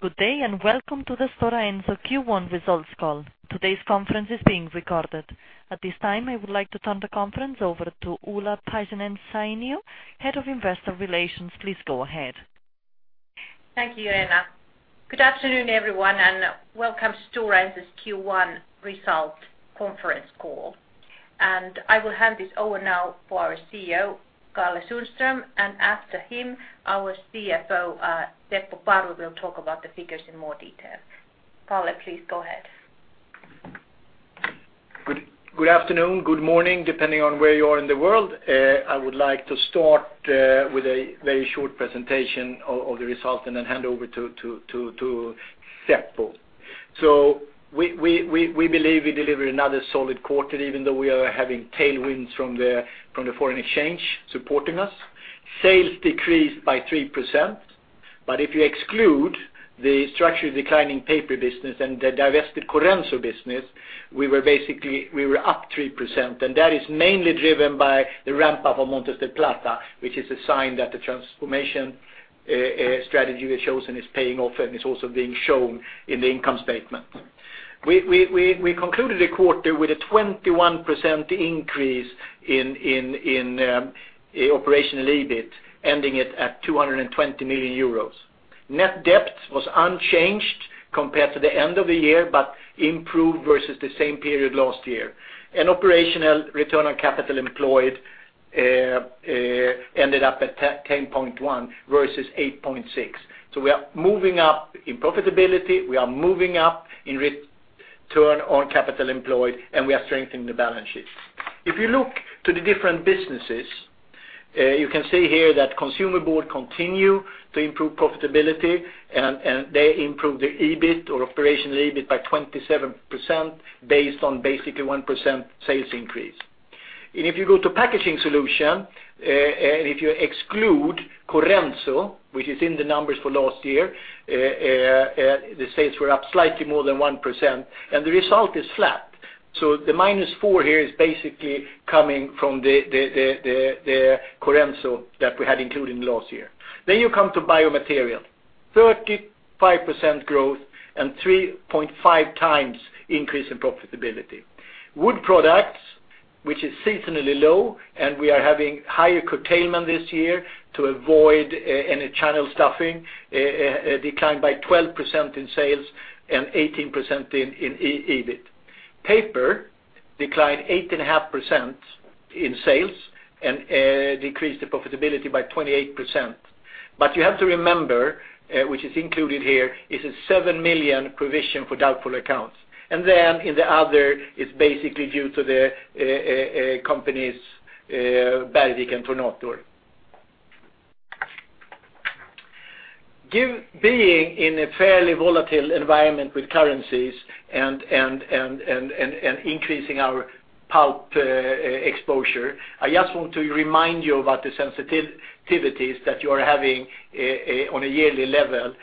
Good day. Welcome to the Stora Enso Q1 results call. Today's conference is being recorded. At this time, I would like to turn the conference over to Ulla Paajanen-Sainio, Head of Investor Relations. Please go ahead. Thank you, Lena. Good afternoon, everyone. Welcome to Stora Enso's Q1 result conference call. I will hand this over now for our CEO, Kalle Sundström, and after him, our CFO, Seppo Parvi, will talk about the figures in more detail. Kalle, please go ahead. Good afternoon, good morning, depending on where you are in the world. I would like to start with a very short presentation of the results and then hand over to Seppo. We believe we delivered another solid quarter, even though we are having tailwinds from the foreign exchange supporting us. Sales decreased by 3%. If you exclude the structured declining paper business and the divested Corenso business, we were up 3%. That is mainly driven by the ramp-up of Montes del Plata, which is a sign that the transformation strategy we've chosen is paying off, and it's also being shown in the income statement. We concluded the quarter with a 21% increase in operational EBIT, ending it at 220 million euros. Net debt was unchanged compared to the end of the year, but improved versus the same period last year. Operational return on capital employed ended up at 10.1 versus 8.6. We are moving up in profitability, we are moving up in return on capital employed, and we are strengthening the balance sheets. If you look to the different businesses, you can see here that Consumer Board continue to improve profitability. They improve their EBIT or operational EBIT by 27% based on basically 1% sales increase. If you go to Packaging Solutions, and if you exclude Corenso, which is in the numbers for last year, the sales were up slightly more than 1%. The result is flat. The minus four here is basically coming from the Corenso that we had included in last year. You come to Biomaterials, 35% growth and 3.5 times increase in profitability. Wood Products, which is seasonally low, and we are having higher curtailment this year to avoid any channel stuffing, declined by 12% in sales and 18% in EBIT. Paper declined 8.5% in sales and decreased the profitability by 28%. You have to remember, which is included here, is a 7 million provision for doubtful accounts. In the other, it's basically due to the companies Bergvik and Tornator. Being in a fairly volatile environment with currencies and increasing our pulp exposure, I just want to remind you about the sensitivities that you are having on a yearly level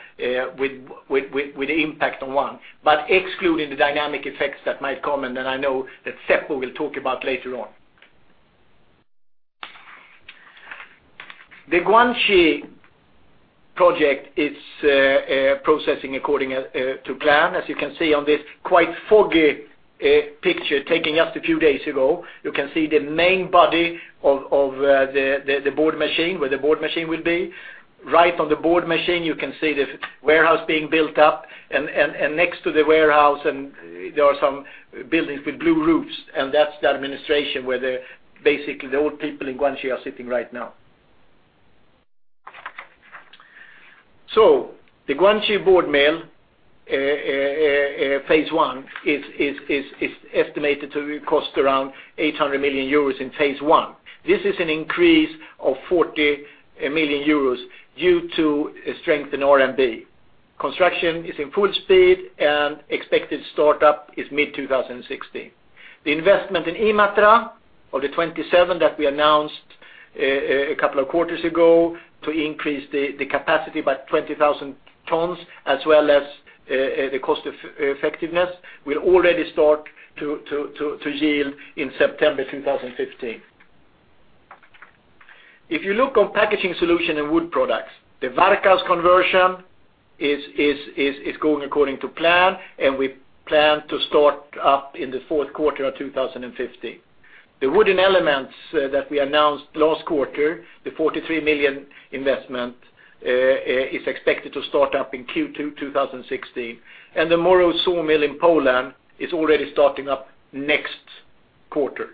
with the impact on one, but excluding the dynamic effects that might come, and that I know that Seppo will talk about later on. The Guangxi project is processing according to plan. As you can see on this quite foggy picture taken just a few days ago, you can see the main body of where the board machine will be. Right on the board machine, you can see the warehouse being built up. Next to the warehouse, there are some buildings with blue roofs, and that's the administration where basically all people in Guangxi are sitting right now. The Guangxi board mill phase 1 is estimated to cost around 800 million euros in phase 1. This is an increase of 40 million euros due to strength in RMB. Construction is in full speed, and expected startup is mid-2016. The investment in Imatra of the 27 that we announced a couple of quarters ago to increase the capacity by 20,000 tons, as well as the cost effectiveness, will already start to yield in September 2015. If you look on Packaging Solutions and Wood Products, the Varkaus conversion is going according to plan, and we plan to start up in the fourth quarter of 2015. The wooden elements that we announced last quarter, the 43 million investment, is expected to start up in Q2 2016. The Murów sawmill in Poland is already starting up next quarter.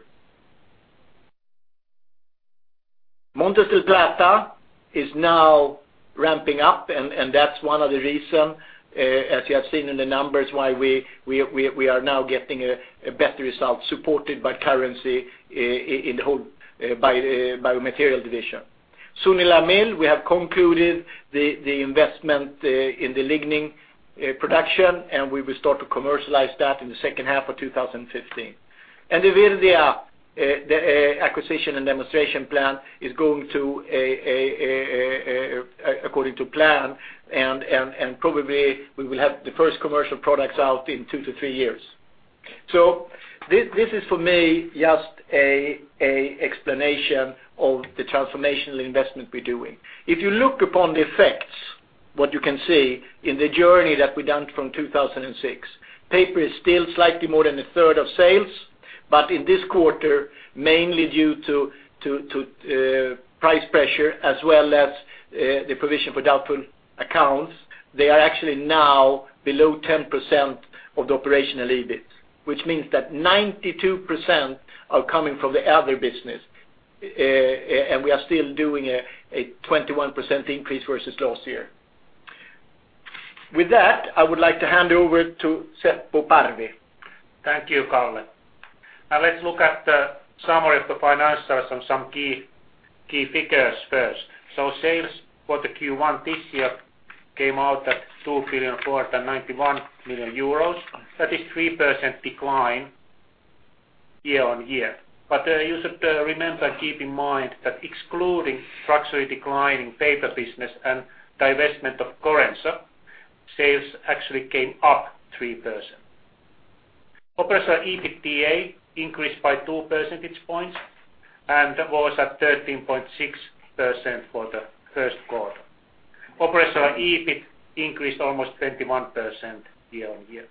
Montes del Plata is now ramping up, and that's one of the reasons, as you have seen in the numbers, why we are now getting a better result supported by currency in the whole Biomaterials division. Sunila Mill, we have concluded the investment in the lignin production, and we will start to commercialize that in the second half of 2015. The Virdia, the acquisition and demonstration plan is going according to plan, and probably we will have the first commercial products out in 2 to 3 years. This is for me just an explanation of the transformational investment we're doing. If you look upon the effects, what you can see in the journey that we've done from 2006, paper is still slightly more than a third of sales. In this quarter, mainly due to price pressure as well as the provision for doubtful accounts, they are actually now below 10% of the operational EBIT. Which means that 92% are coming from the other business. We are still doing a 21% increase versus last year. With that, I would like to hand over to Seppo Parvi. Thank you, Karl. Let's look at the summary of the financials and some key figures first. Sales for the Q1 this year came out at 2,491 million euros. That is 3% decline year-over-year. You should remember, keep in mind that excluding structurally declining paper business and divestment of Corenso, sales actually came up 3%. Operational EBITDA increased by 2 percentage points and was at 13.6% for the first quarter. Operational EBIT increased almost 21% year-over-year.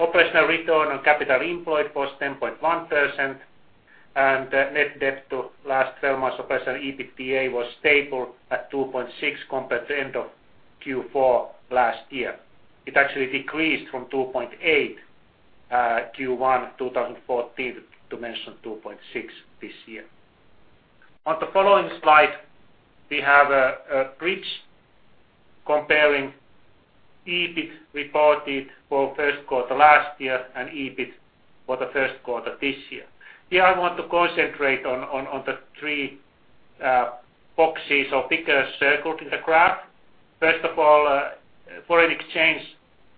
Operational return on capital employed was 10.1%, and net debt to last 12 months operational EBITDA was stable at 2.6 compared to end of Q4 last year. It actually decreased from 2.8, Q1 2014, to mention 2.6 this year. On the following slide, we have a bridge comparing EBIT reported for first quarter last year and EBIT for the first quarter this year. Here I want to concentrate on the three boxes or figures circled in the graph. First of all, foreign exchange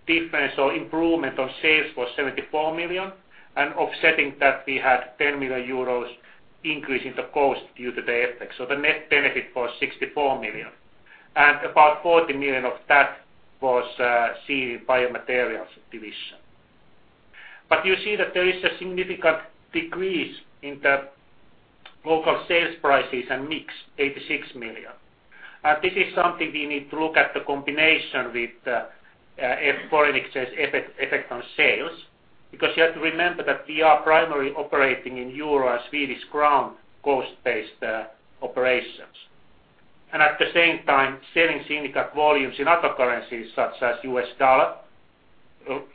difference or improvement on sales was 74 million, and offsetting that we had 10 million euros increase in the cost due to the FX. The net benefit was 64 million. About 40 million of that was seen in Biomaterials division. You see that there is a significant decrease in the local sales prices and mix, 86 million. This is something we need to look at the combination with foreign exchange effect on sales because you have to remember that we are primarily operating in euro and Swedish krona cost-based operations. At the same time, selling significant volumes in other currencies such as US dollar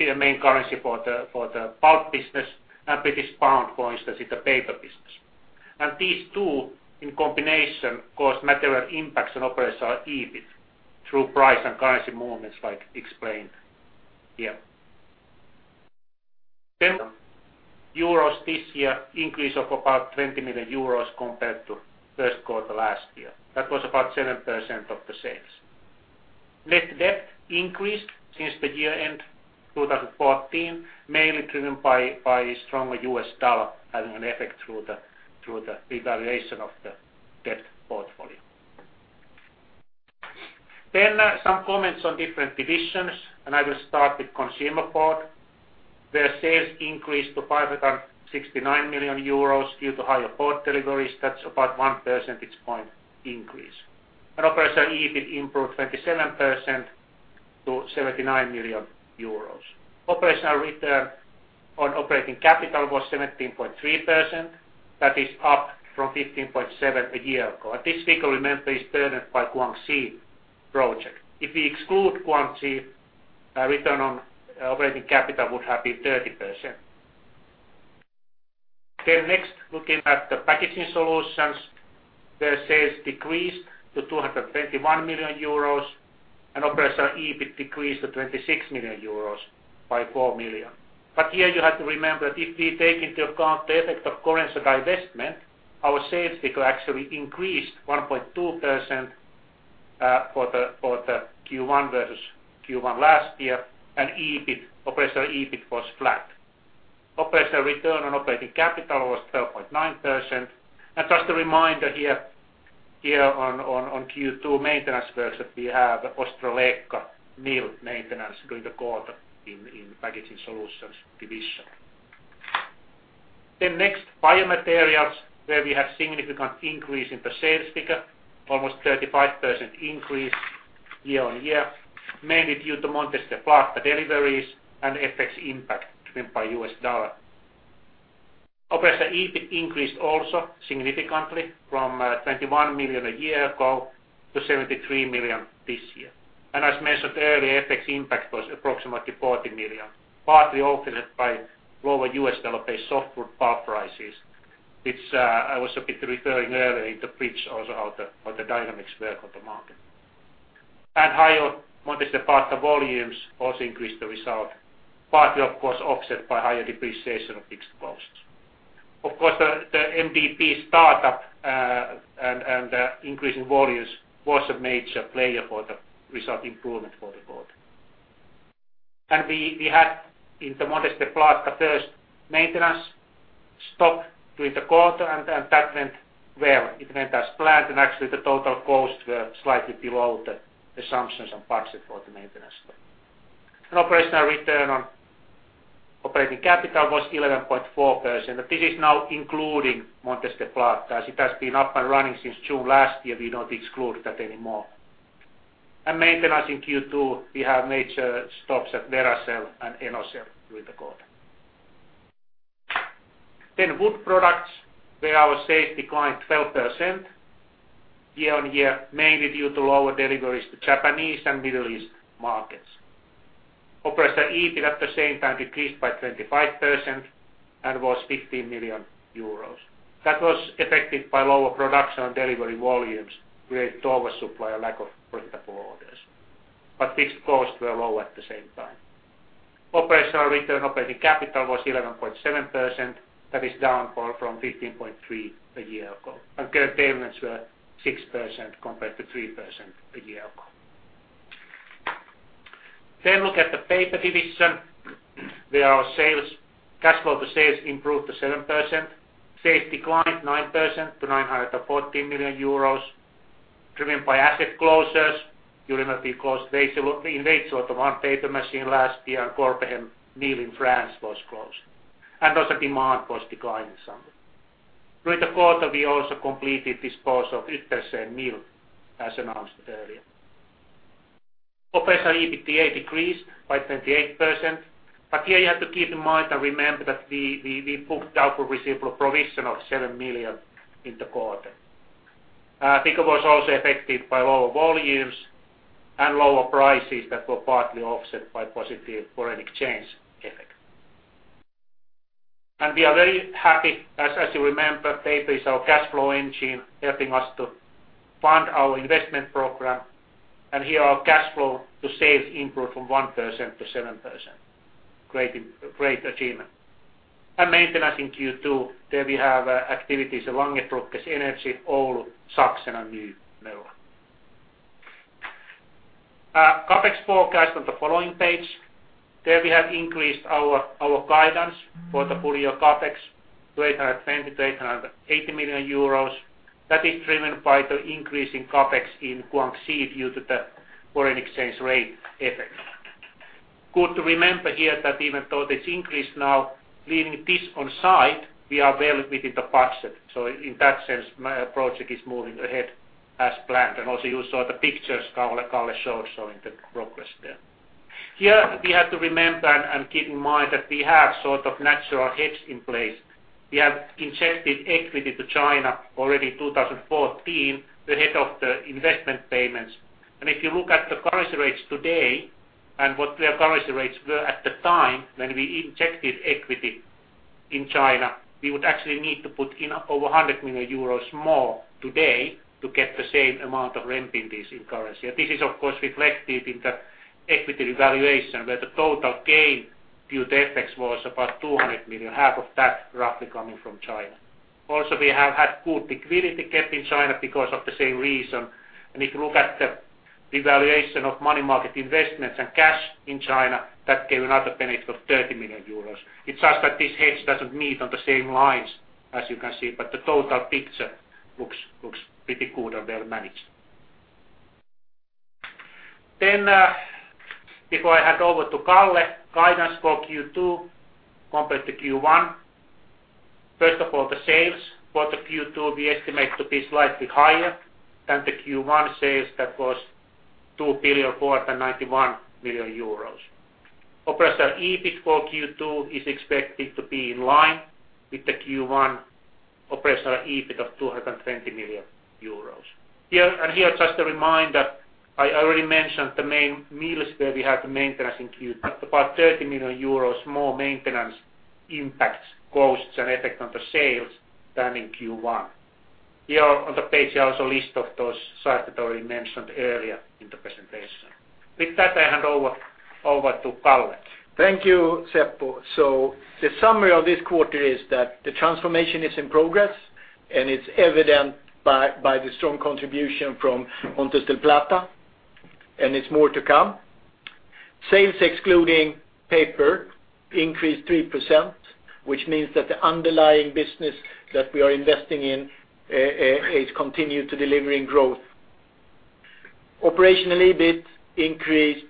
in the main currency for the pulp business and British pound, for instance, in the paper business. These two in combination cause material impacts on operational EBIT through price and currency movements like explained here. Euros this year increase of about 20 million euros compared to first quarter last year. That was about 7% of the sales. Net debt increased since the year-end 2014, mainly driven by stronger US dollar having an effect through the revaluation of the debt portfolio. Some comments on different divisions, I will start with Consumer Board. Their sales increased to 569 million euros due to higher board deliveries. That's about 1 percentage point increase. Operational EBIT improved 27% to 79 million euros. Operational return on operating capital was 17.3%. That is up from 15.7% a year ago. This figure, remember, is burdened by Guangxi project. If we exclude Guangxi, return on operating capital would have been 30%. Next, looking at the Packaging Solutions, their sales decreased to 221 million euros and operational EBIT decreased to 26 million euros by 4 million. Here you have to remember that if we take into account the effect of Corenso divestment, our sales figure actually increased 1.2% for the Q1 versus Q1 last year, operational EBIT was flat. Operational return on operating capital was 12.9%. Just a reminder here on Q2 maintenance works that we have Ostrołęka mill maintenance during the quarter in Packaging Solutions division. Next, Biomaterials, where we have significant increase in the sales figure, almost 35% increase year-over-year, mainly due to Montes del Plata deliveries and FX impact driven by US dollar. Operational EBIT increased also significantly from 21 million a year ago to 73 million this year. As mentioned earlier, FX impact was approximately 40 million, partly offset by lower U.S. dollar-based softwood pulp prices. I was a bit referring earlier in the bridge also how the dynamics work on the market. Higher Montes del Plata volumes also increased the result, partly of course offset by higher depreciation of fixed costs. Of course, the MdP startup and increasing volumes was a major player for the result improvement for the quarter. We had in the Montes del Plata first maintenance stop during the quarter and that went well. It went as planned, and actually the total costs were slightly below the assumptions and budget for the maintenance. Operational return on operating capital was 11.4%, and this is now including Montes del Plata. As it has been up and running since June last year, we don't exclude that anymore. Maintenance in Q2, we have major stops at Veracel and Enocell during the quarter. Wood Products, where our sales declined 12% year-over-year, mainly due to lower deliveries to Japanese and Middle East markets. Operational EBIT at the same time decreased by 25% and was 15 million euros. That was affected by lower production and delivery volumes related to oversupply and lack of predictable orders. Fixed costs were low at the same time. Operational return on operating capital was 11.7%. That is downfall from 15.3% a year ago. Gear payments were 6% compared to 3% a year ago. Look at the paper division, where our cash flow to sales improved to 7%. Sales declined 9% to 914 million euros, driven by asset closures. You remember we closed in Veitsiluoto one paper machine last year, and Corbehem mill in France was closed. Also demand was declining somewhat. During the quarter, we also completed disposal of Hylte mill, as announced earlier. Operational EBITDA decreased by 28%, here you have to keep in mind and remember that we booked doubtful receivable provision of 7 million in the quarter. I think it was also affected by lower volumes and lower prices that were partly offset by positive foreign exchange effect. We are very happy, as you remember, paper is our cash flow engine helping us to fund our investment program, and here our cash flow to sales improved from 1% to 7%. Great achievement. Maintenance in Q2, there we have activities at Langerbrugge, Anjala, Oulu, Sachsen and Nymölla. CapEx forecast on the following page. There we have increased our guidance for the full year CapEx to 820 million-880 million euros. That is driven by the increase in CapEx in Guangxi due to the foreign exchange rate effect. Good to remember here that even though this increase now leaving this on site, we are well within the budget. In that sense, project is moving ahead as planned. Also you saw the pictures Kalle showed showing the progress there. Here we have to remember and keep in mind that we have sort of natural hedge in place. We have injected equity to China already 2014 ahead of the investment payments. If you look at the currency rates today and what their currency rates were at the time when we injected equity in China, we would actually need to put in over 100 million euros more today to get the same amount of renminbis in currency. This is of course reflected in the equity valuation, where the total gain due to FX was about 200 million, half of that roughly coming from China. We have had good liquidity kept in China because of the same reason. If you look at the valuation of money market investments and cash in China, that gave another benefit of 30 million euros. It is just that this hedge does not meet on the same lines, as you can see, but the total picture looks pretty good and well managed. Before I hand over to Kalle, guidance for Q2 compared to Q1. First of all, the sales for the Q2, we estimate to be slightly higher than the Q1 sales that was 2,491 million euros. Operational EBIT for Q2 is expected to be in line with the Q1 operational EBIT of 220 million euros. Here just a reminder, I already mentioned the main mills where we have the maintenance in Q2. About 30 million euros more maintenance impacts costs and effect on the sales than in Q1. Here on the page there also list of those sites that I already mentioned earlier in the presentation. With that, I hand over to Kalle. Thank you, Seppo. The summary of this quarter is that the transformation is in progress, and it is evident by the strong contribution from Montes del Plata, and it is more to come. Sales excluding paper increased 3%, which means that the underlying business that we are investing in is continued to delivering growth. Operational EBIT increased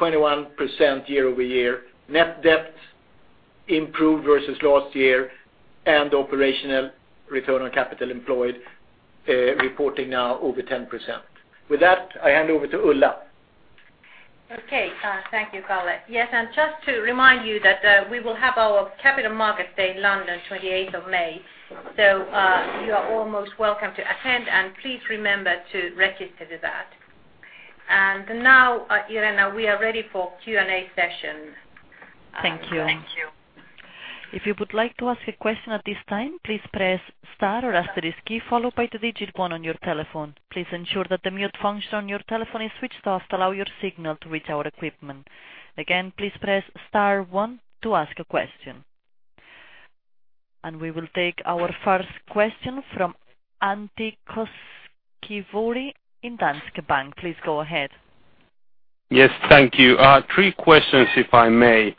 21% year-over-year. Net debt improved versus last year, and operational return on capital employed reporting now over 10%. With that, I hand over to Ulla. Okay. Thank you, Kalle. Yes, just to remind you that we will have our Capital Markets Day in London 28th of May. You are all most welcome to attend and please remember to register to that. Now, Irena, we are ready for Q&A session. Thank you. Thank you. If you would like to ask a question at this time, please press star or asterisk key followed by the digit one on your telephone. Please ensure that the mute function on your telephone is switched off to allow your signal to reach our equipment. Again, please press star one to ask a question. We will take our first question from Antti Koskivuori in Danske Bank. Please go ahead. Yes. Thank you. Three questions if I may.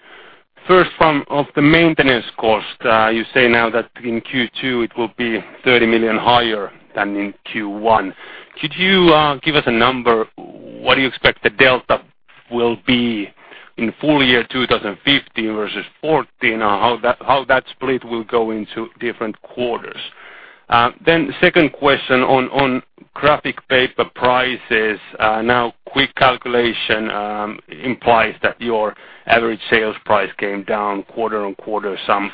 First one, of the maintenance cost, you say now that in Q2 it will be 30 million higher than in Q1. Could you give us a number? What do you expect the delta will be in full year 2015 versus 2014? How that split will go into different quarters? The second question on graphic paper prices. Now quick calculation implies that your average sales price came down quarter-on-quarter some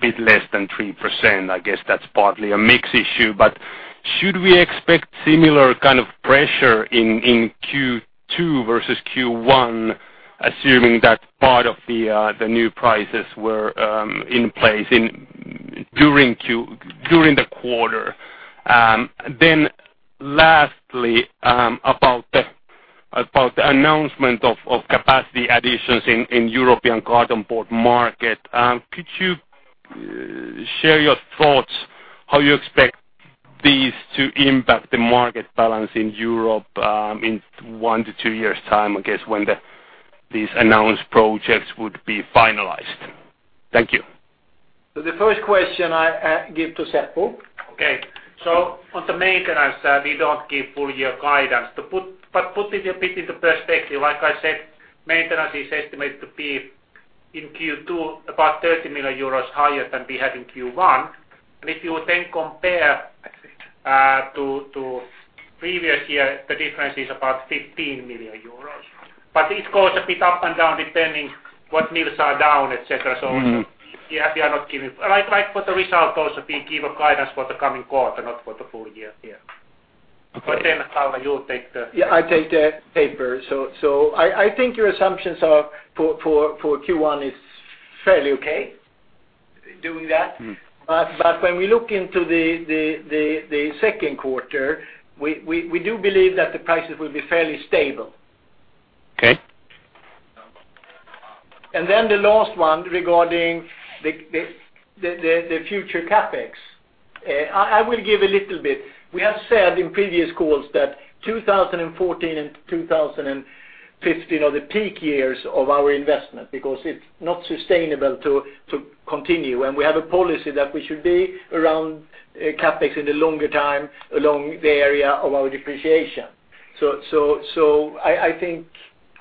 bit less than 3%. I guess that's partly a mix issue, but should we expect similar kind of pressure in Q2 versus Q1, assuming that part of the new prices were in place during the quarter? Lastly, about the announcement of capacity additions in European carton board market. Could you share your thoughts how you expect these to impact the market balance in Europe in one to two years time, I guess when these announced projects would be finalized? Thank you. The first question I give to Seppo. Okay. On the maintenance, we don't give full year guidance. Put it a bit into perspective, like I said, maintenance is estimated to be in Q2 about 30 million euros higher than we had in Q1. If you then compare to previous year, the difference is about 15 million euros. It goes a bit up and down depending what mills are down, et cetera. Like for the result also, we give a guidance for the coming quarter, not for the full year. Okay. Kalle, you take the- Yeah, I take the paper. I think your assumptions for Q1 is fairly okay doing that. When we look into the second quarter, we do believe that the prices will be fairly stable. Okay. The last one regarding the future CapEx. I will give a little bit. We have said in previous calls that 2014 and 2015 are the peak years of our investment because it is not sustainable to continue. We have a policy that we should be around CapEx in the longer time along the area of our depreciation.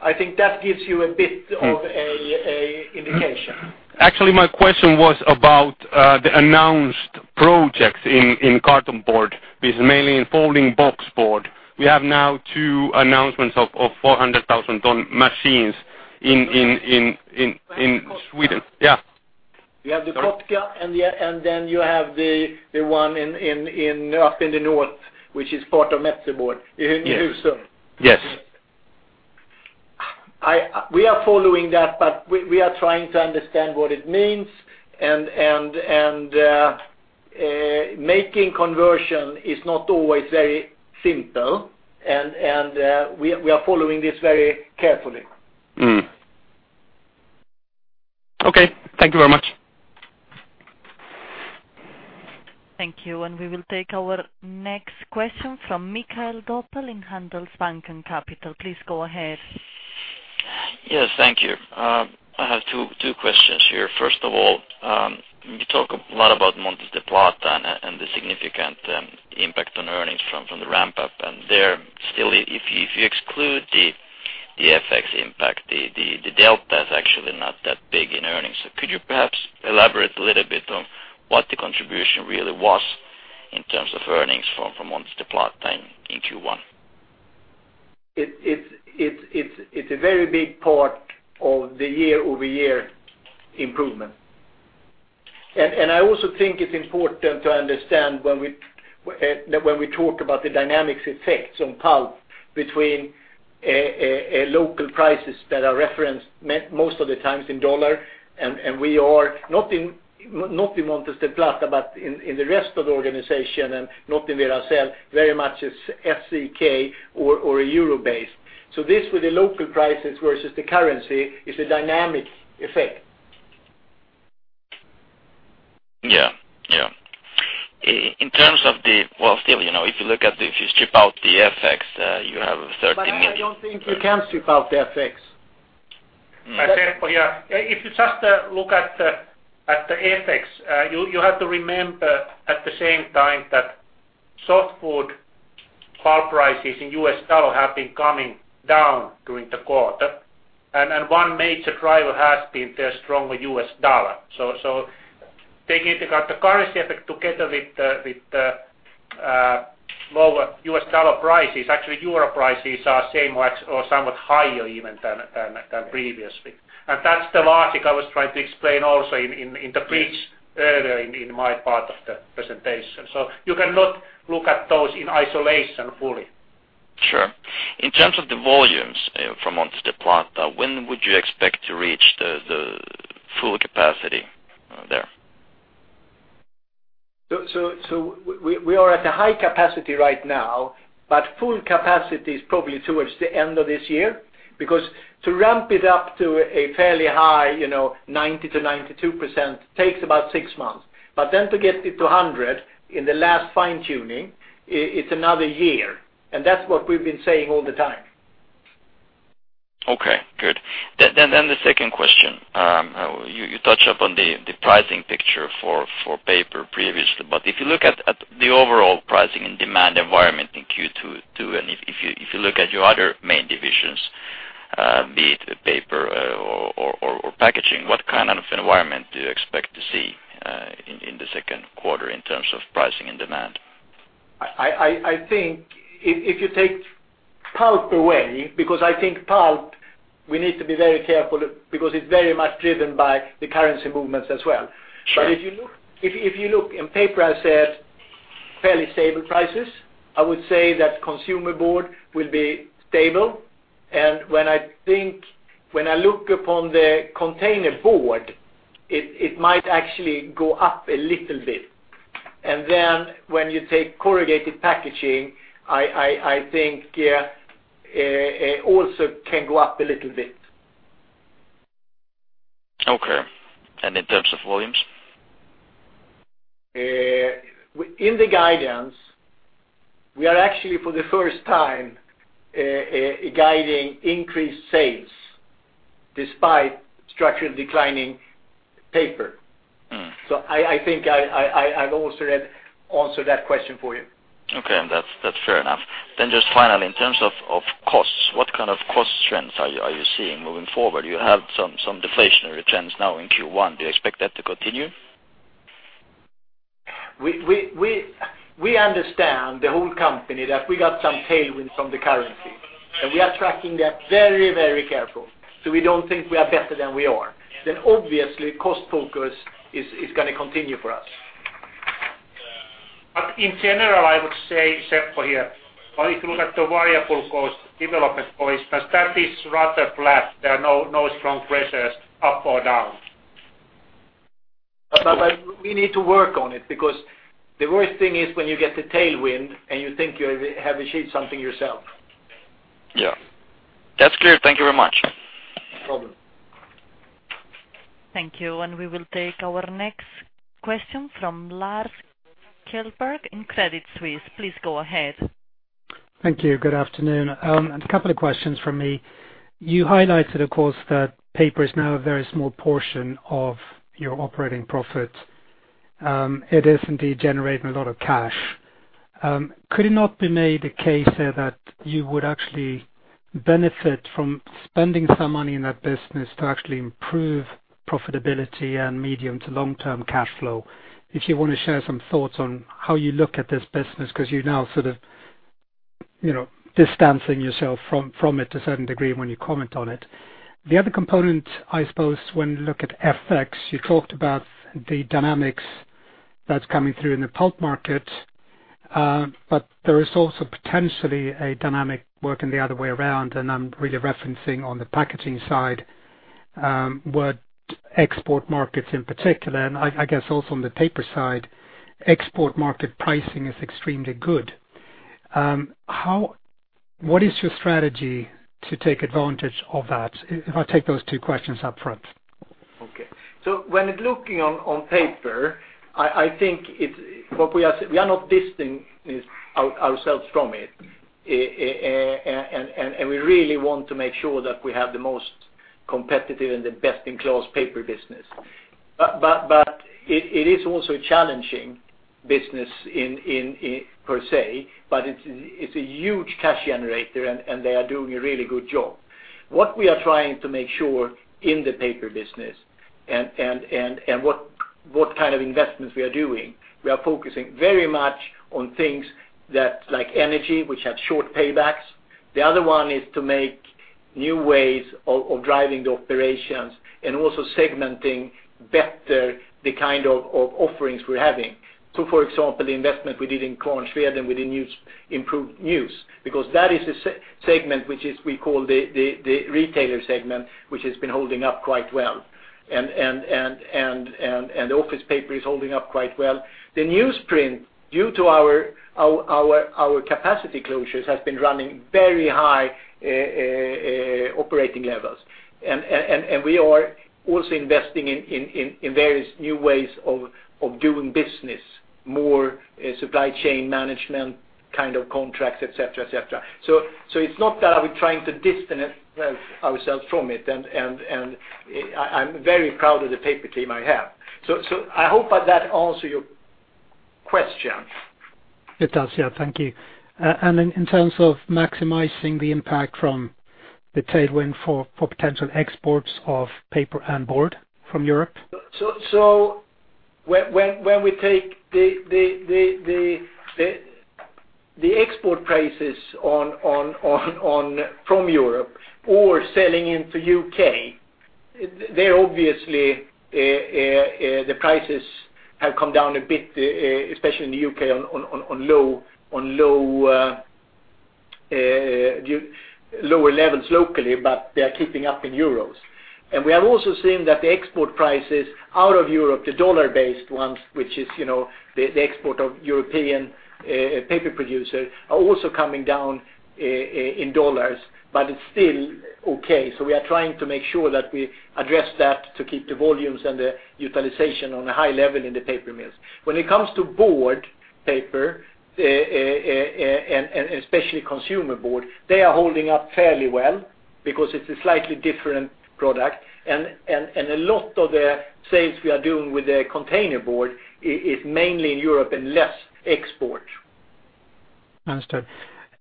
I think that gives you a bit of a indication. Actually, my question was about the announced projects in carton board, is mainly in folding boxboard. We have now two announcements of 400,000-ton machines in Sweden. Yeah. You have the Kotka. Then you have the one up in the north, which is part of Metsä Board. In Husum. Yes. We are following that. We are trying to understand what it means. Making conversion is not always very simple. We are following this very carefully. Okay. Thank you very much. Thank you. We will take our next question from Mikael Doepel in Handelsbanken Capital. Please go ahead. Yes. Thank you. I have two questions here. First of all, you talk a lot about Montes del Plata and the significant impact on earnings from the ramp-up, and there still if you exclude the FX impact, the delta is actually not that big in earnings. Could you perhaps elaborate a little bit on what the contribution really was in terms of earnings from Montes del Plata in Q1? It's a very big part of the year-over-year improvement. I also think it's important to understand when we talk about the dynamics effects on pulp between local prices that are referenced most of the times in U.S. dollar, and we are not in Montes del Plata, but in the rest of the organization, and not in Very much it's SEK or euro-based. This with the local prices versus the currency is a dynamic effect. Yeah. In terms of the Well, still, if you strip out the FX, you have 13 million- I don't think you can strip out the FX. Seppo, yeah. If you just look at the FX, you have to remember at the same time that softwood pulp prices in US dollar have been coming down during the quarter, and one major driver has been the stronger US dollar. Taking into account the currency effect together with lower US dollar prices, actually euro prices are same or somewhat higher even than previously. That's the logic I was trying to explain also in the bridge earlier in my part of the presentation. You cannot look at those in isolation fully. Sure. In terms of the volumes from Montes del Plata, when would you expect to reach the full capacity there? We are at a high capacity right now, full capacity is probably towards the end of this year because to ramp it up to a fairly high 90%-92% takes about six months. To get it to 100 in the last fine-tuning, it's another year. That's what we've been saying all the time. Okay, good. The second question. You touched up on the pricing picture for paper previously, but if you look at the overall pricing and demand environment in Q2, and if you look at your other main divisions, be it paper or packaging, what kind of environment do you expect to see in the second quarter in terms of pricing and demand? I think if you take pulp away, because I think pulp, we need to be very careful because it's very much driven by the currency movements as well. Sure. If you look in Paper, I said fairly stable prices. I would say that consumer board will be stable, and when I look upon the containerboard, it might actually go up a little bit. When you take corrugated packaging, I think also can go up a little bit. Okay. In terms of volumes? In the guidance, we are actually for the first time guiding increased sales despite structured declining paper. I think I've also answered that question for you. Okay. That's fair enough. Just finally, in terms of costs, what kind of cost trends are you seeing moving forward? You have some deflationary trends now in Q1. Do you expect that to continue? We understand the whole company that we got some tailwind from the currency. We are tracking that very careful. We don't think we are better than we are. Obviously, cost focus is going to continue for us. In general, I would say, Seppo here, if you look at the variable cost development for business, that is rather flat. There are no strong pressures up or down. We need to work on it because the worst thing is when you get the tailwind and you think you have achieved something yourself. Yeah. That's clear. Thank you very much. No problem. Thank you. We will take our next question from Lars Kjellberg in Credit Suisse. Please go ahead. Thank you. Good afternoon. A couple of questions from me. You highlighted, of course, that paper is now a very small portion of your operating profit. It is indeed generating a lot of cash. Could it not be made a case there that you would actually benefit from spending some money in that business to actually improve profitability and medium to long-term cash flow? If you want to share some thoughts on how you look at this business because you're now sort of distancing yourself from it to a certain degree when you comment on it. The other component, I suppose, when you look at FX, you talked about the dynamics that's coming through in the pulp market. There is also potentially a dynamic working the other way around, and I'm really referencing on the packaging side where export markets in particular, and I guess also on the paper side, export market pricing is extremely good. What is your strategy to take advantage of that? If I take those two questions up front. Okay. When looking on paper, I think we are not distancing ourselves from it. We really want to make sure that we have the most competitive and the best-in-class paper business. It is also a challenging business per se, but it's a huge cash generator, and they are doing a really good job. What we are trying to make sure in the paper business and what kind of investments we are doing, we are focusing very much on things like energy, which have short paybacks. The other one is to make new ways of driving the operations and also segmenting better the kind of offerings we're having. For example, the investment we did in Kvarnsveden with the improved news, because that is a segment which we call the retailer segment, which has been holding up quite well. Office paper is holding up quite well. The newsprint, due to our capacity closures, has been running very high operating levels. We are also investing in various new ways of doing business, more supply chain management kind of contracts, et cetera. It's not that we're trying to distance ourselves from it, and I'm very proud of the paper team I have. I hope that answers your question. It does, yeah. Thank you. In terms of maximizing the impact from the tailwind for potential exports of paper and board from Europe? When we take the export prices from Europe or selling into U.K., they're obviously, the prices have come down a bit, especially in the U.K. on lower levels locally, but they are keeping up in EUR. We have also seen that the export prices out of Europe, the U.S. dollar-based ones, which is the export of European paper producer, are also coming down in USD, but it's still okay. We are trying to make sure that we address that to keep the volumes and the utilization on a high level in the paper mills. When it comes to board paper, and especially consumer board, they are holding up fairly well Because it's a slightly different product, and a lot of the sales we are doing with the containerboard is mainly in Europe and less export. Understood.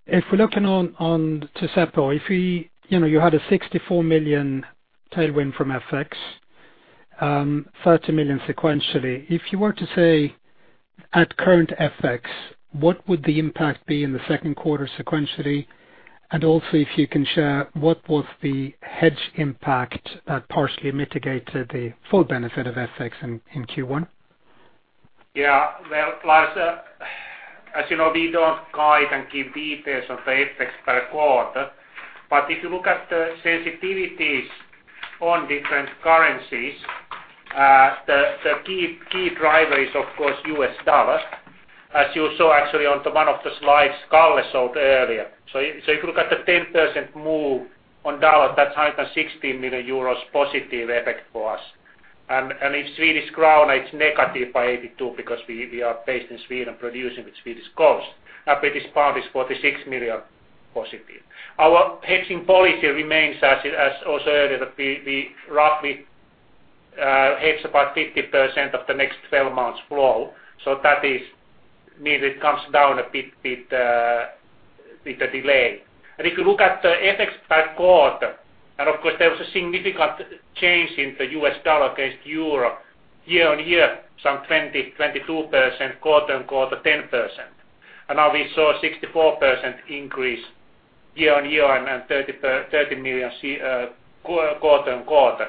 If we're looking on to Seppo. You had a 64 million tailwind from FX, 30 million sequentially. If you were to say at current FX, what would the impact be in the second quarter sequentially? Also, if you can share what was the hedge impact that partially mitigated the full benefit of FX in Q1? Yeah. Lars, as you know, we don't guide and give details of the FX per quarter. If you look at the sensitivities on different currencies, the key driver is, of course, U.S. dollar, as you saw actually on one of the slides Kalle showed earlier. If you look at the 10% move on U.S. dollar, that's 160 million euros positive effect for us. In SEK, it's negative by 82 because we are based in Sweden, producing with Swedish cost. Now, 46 million British pound positive. Our hedging policy remains as also earlier that we roughly hedge about 50% of the next 12 months flow. That means it comes down a bit with the delay. If you look at the FX per quarter, and of course, there was a significant change in the U.S. USD against EUR, year-on-year, some 20%-22%, quarter-on-quarter 10%. Now we saw a 64 million increase year-on-year and 30 million quarter-on-quarter.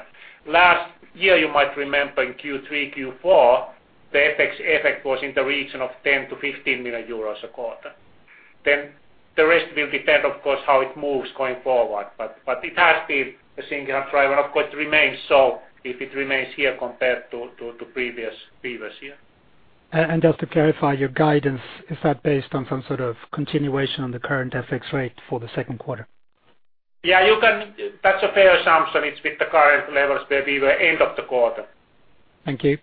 Last year, you might remember in Q3, Q4, the FX effect was in the region of 10 million-15 million euros a quarter. The rest will depend, of course, how it moves going forward. It has been a significant driver of course it remains so if it remains here compared to previous year. Just to clarify your guidance, is that based on some sort of continuation on the current FX rate for the second quarter? That's a fair assumption. It's with the current levels where we were end of the quarter. Thank you.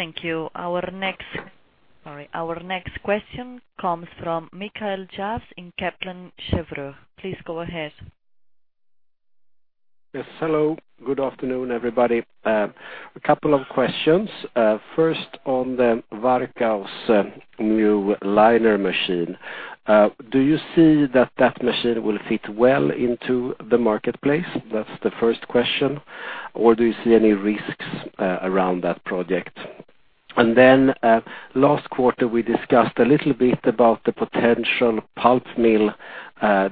Thank you. Our next question comes from Mikael Jåfs in Kepler Cheuvreux. Please go ahead. Yes, hello. Good afternoon, everybody. A couple of questions. First on the Varkaus new liner machine. Do you see that that machine will fit well into the marketplace? That's the first question. Do you see any risks around that project? Last quarter, we discussed a little bit about the potential pulp mill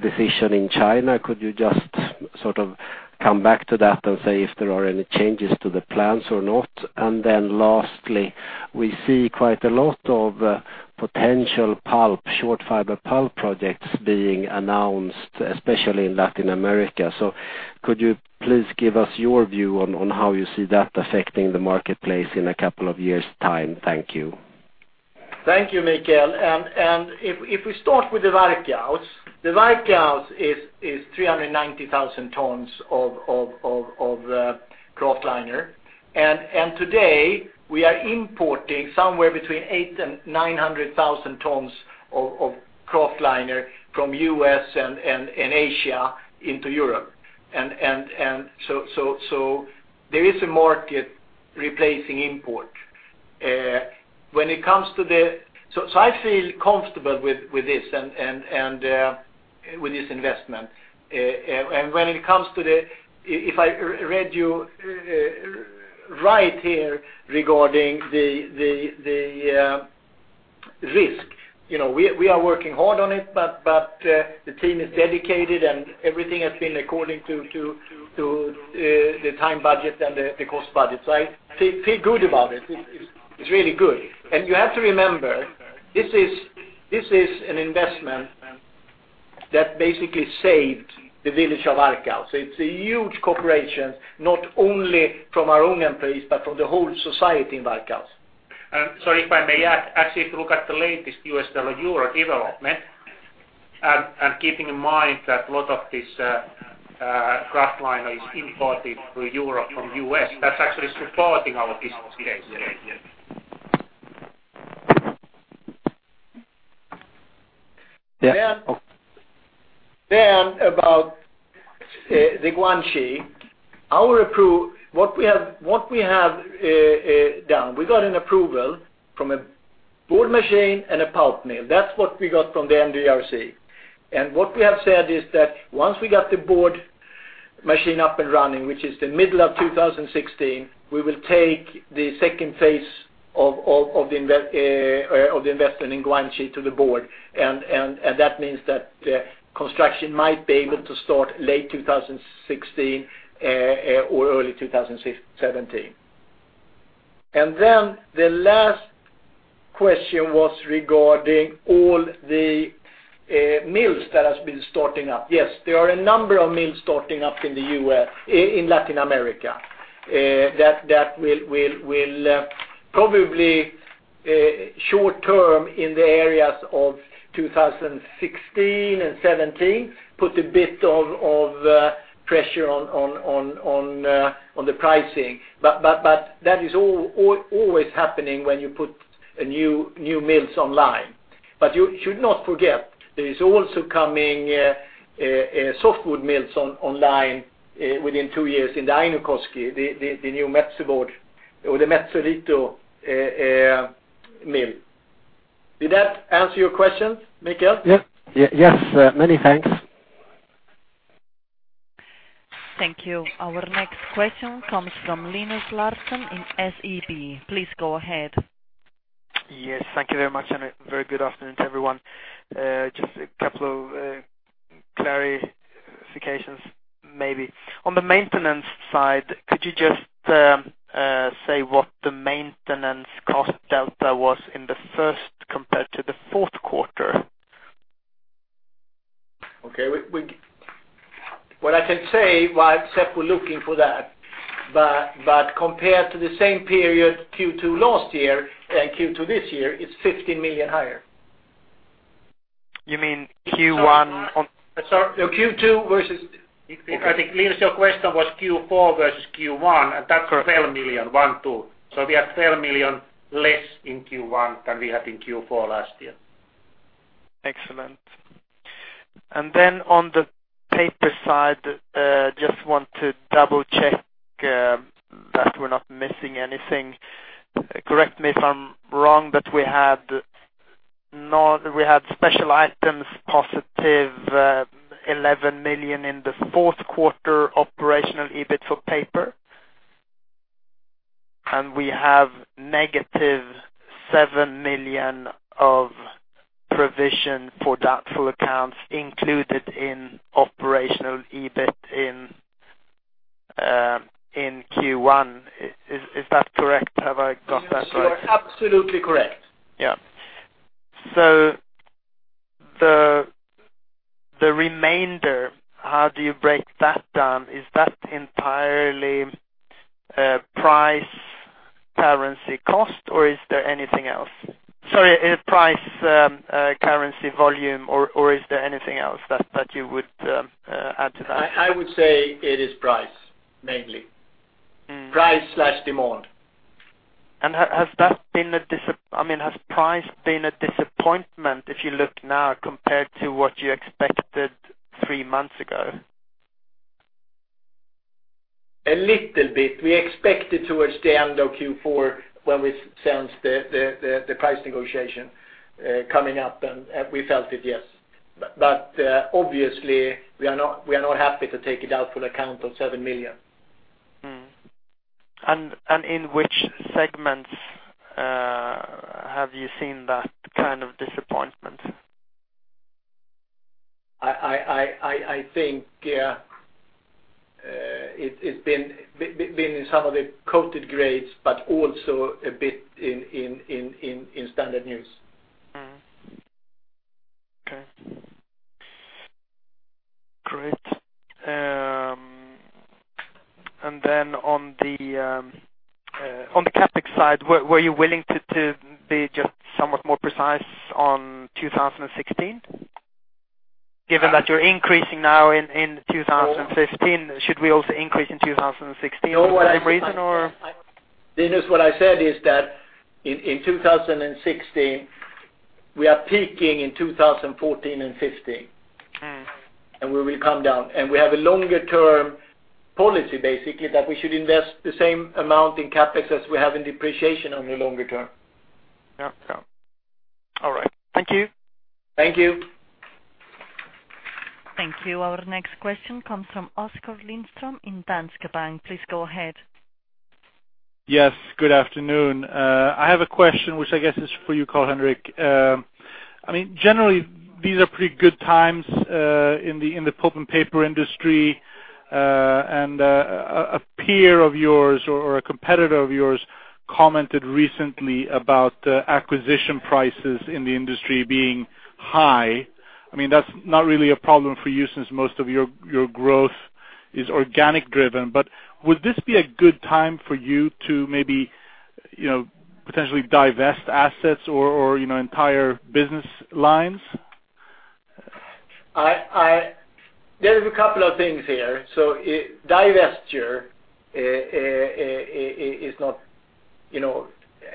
decision in China. Could you just sort of come back to that and say if there are any changes to the plans or not? Lastly, we see quite a lot of potential short fiber pulp projects being announced, especially in Latin America. Could you please give us your view on how you see that affecting the marketplace in a couple of years time? Thank you. Thank you, Mikael. If we start with the Varkaus. The Varkaus is 390,000 tons of kraftliner. Today we are importing somewhere between 800,000 and 900,000 tons of kraftliner from U.S. and Asia into Europe. There is a market replacing import. I feel comfortable with this investment. If I read you right here regarding the risk, we are working hard on it, but the team is dedicated and everything has been according to the time budget and the cost budget. I feel good about it. It's really good. You have to remember, this is an investment that basically saved the village of Varkaus. It's a huge cooperation, not only from our own employees, but from the whole society in Varkaus. Sorry, if I may add, actually, if you look at the latest U.S. dollar, euro development, and keeping in mind that a lot of this kraftliner is imported to Europe from U.S., that's actually supporting our business case. About the Guangxi. What we have done, we got an approval from a board machine and a pulp mill. That's what we got from the NDRC. What we have said is that once we got the board machine up and running, which is the middle of 2016, we will take the second phase of the investment in Guangxi to the board. That means that construction might be able to start late 2016 or early 2017. The last question was regarding all the mills that has been starting up. Yes, there are a number of mills starting up in Latin America that will probably short term in the areas of 2016 and 2017 put a bit of pressure on the pricing. That is always happening when you put new mills online. You should not forget there is also coming softwood mills online within two years in the Äänekoski, the new Metsä Board or the Metsä Fibre mill. Did that answer your question, Mikael? Yes. Many thanks. Thank you. Our next question comes from Linus Larsson in SEB. Please go ahead. Thank you very much. A very good afternoon to everyone. Just a couple of clarifications maybe. On the maintenance side, could you just say what the maintenance cost delta was in the first compared to the fourth quarter? Okay. What I can say while Seppo looking for that, compared to the same period Q2 last year and Q2 this year, it's 15 million higher. You mean Q1 on- Sorry, Q2 versus I think, Linus, your question was Q4 versus Q1, that's- Correct 12 million, one, two. We had 12 million less in Q1 than we had in Q4 last year. Excellent. On the paper side, just want to double-check that we're not missing anything. Correct me if I'm wrong, we had special items positive 11 million in the fourth quarter operational EBIT for paper, we have negative 7 million of provision for doubtful accounts included in operational EBIT in Q1. Is that correct? Have I got that right? You are absolutely correct. Yeah. The remainder, how do you break that down? Is that entirely price currency cost, is there anything else? Sorry, price currency volume, is there anything else that you would add to that? I would say it is price mainly. Price/demand. Has price been a disappointment if you look now compared to what you expected three months ago? A little bit. We expected towards the end of Q4 when we sensed the price negotiation coming up, we felt it, yes. Obviously, we are not happy to take a doubtful account of 7 million. In which segments have you seen that kind of disappointment? I think it's been in some of the coated grades but also a bit in standard news. Okay. Great. Then on the CapEx side, were you willing to be just somewhat more precise on 2016? Given that you're increasing now in 2015, should we also increase in 2016 for the same reason or? Linus, what I said is that in 2016, we are peaking in 2014 and 2015. We will come down. We have a longer-term policy, basically, that we should invest the same amount in CapEx as we have in depreciation on the longer term. Yeah. All right. Thank you. Thank you. Thank you. Our next question comes from Oskar Lindström in Danske Bank. Please go ahead. Yes, good afternoon. I have a question, which I guess is for you, Karl-Henrik Sundström. Generally, these are pretty good times in the pulp and paper industry. A peer of yours or a competitor of yours commented recently about acquisition prices in the industry being high. That's not really a problem for you since most of your growth is organic driven, would this be a good time for you to maybe potentially divest assets or entire business lines? There is a couple of things here. Divesture is not.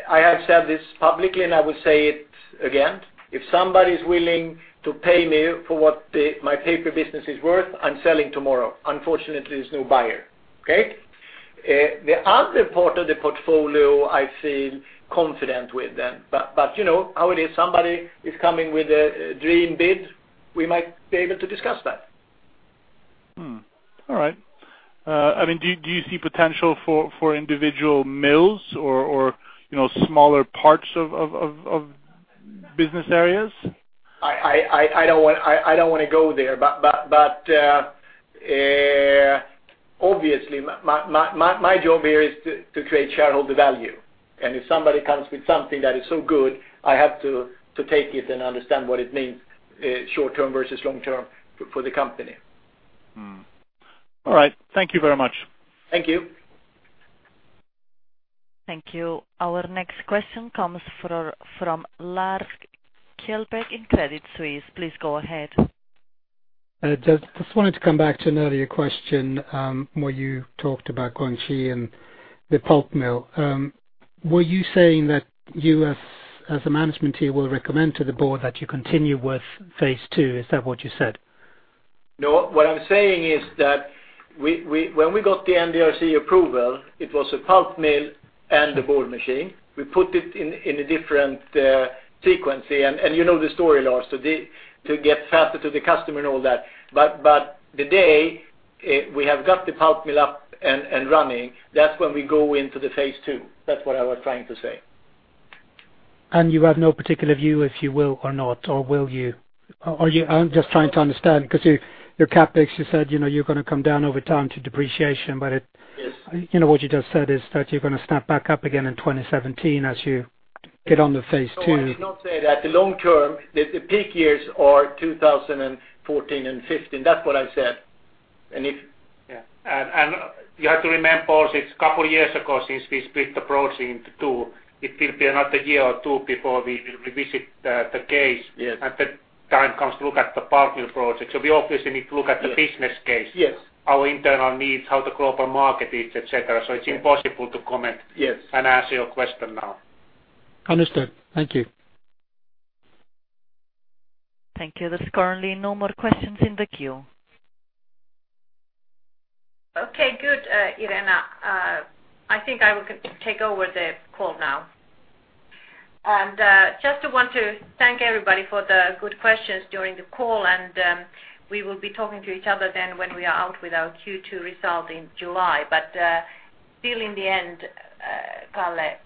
I have said this publicly, and I will say it again. If somebody's willing to pay me for what my paper business is worth, I'm selling tomorrow. Unfortunately, there's no buyer. Okay. The other part of the portfolio I feel confident with. How it is, somebody is coming with a dream bid, we might be able to discuss that. All right. Do you see potential for individual mills or smaller parts of business areas? I don't want to go there, obviously, my job here is to create shareholder value. If somebody comes with something that is so good, I have to take it and understand what it means short-term versus long-term for the company. All right. Thank you very much. Thank you. Thank you. Our next question comes from Lars Kjellberg in Credit Suisse. Please go ahead. Just wanted to come back to an earlier question, where you talked about Guangxi and the pulp mill. Were you saying that you as a management team will recommend to the board that you continue with phase 2? Is that what you said? No. What I'm saying is that when we got the NDRC approval, it was a pulp mill and a board machine. We put it in a different frequency, and you know the story, Lars, to get faster to the customer and all that. The day we have got the pulp mill up and running, that's when we go into the phase 2. That's what I was trying to say. You have no particular view if you will or not, or will you? I am just trying to understand, because your CapEx, you said you are going to come down over time to depreciation. Yes. What you just said is that you are going to snap back up again in 2017 as you get on the phase 2. No, I did not say that. The long term, the peak years are 2014 and 2015. That is what I said. You have to remember also, it is a couple years ago since we split the project into two. It will be another year or two before we will revisit the case. Yes. At that time, comes to look at the pulp mill project. We obviously need to look at the business case. Yes. Our internal needs, how the global market is, et cetera. It's impossible to comment. Yes It's impossible to answer your question now. Understood. Thank you. Thank you. There is currently no more questions in the queue. Okay, good, Irena. I think I will take over the call now. Just want to thank everybody for the good questions during the call, and we will be talking to each other then when we are out with our Q2 result in July. Still in the end, Kalle,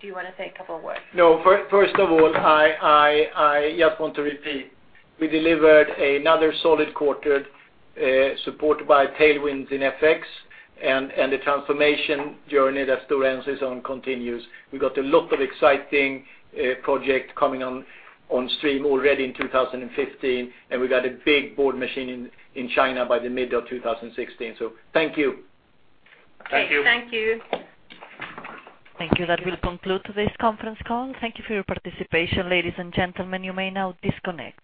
do you want to say a couple words? No. First of all, I just want to repeat. We delivered another solid quarter, supported by tailwinds in FX and the transformation journey that Stora Enso is on continues. We got a lot of exciting project coming on stream already in 2015, we got a big board machine in China by the middle of 2016. Thank you. Okay. Thank you. Thank you. That will conclude this conference call. Thank you for your participation, ladies and gentlemen. You may now disconnect.